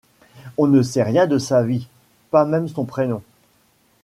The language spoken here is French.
On ne sait rien de sa vie, pas même son prénom.